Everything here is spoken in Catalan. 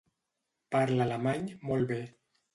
Parla alemany molt bé.